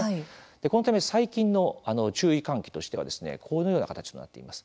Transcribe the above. このため最近の注意喚起としてはこのような形になっています。